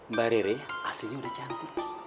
mbak rere aslinya udah cantik